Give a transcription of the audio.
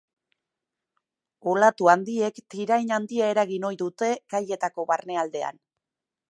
Olatu handiek tirain handia eragin ohi dute kaietako barnealdean.